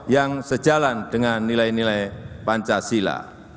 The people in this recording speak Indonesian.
yang sejalan dengan nilai nilai pancasila